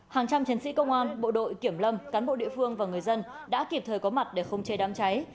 hàng trăm chiến sĩ công an bộ đội kiểm lâm cán bộ địa phương và người dân đã kịp thời có mặt để không chê đám cháy